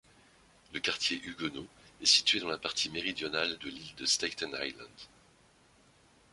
Le quartier Huguenot est situé dans la partie méridionale de l'île de Staten Island.